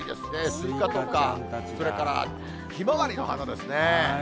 スイカとか、それからひまわりの花ですね。